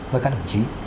với các đồng chí